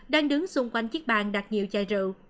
đang đứng xung quanh chiếc bàn đặt nhiều chai rượu